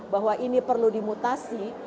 bahwa ini perlu dimutasi